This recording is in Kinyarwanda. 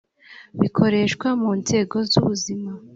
bikoreshwa mu nzego z’ubuzima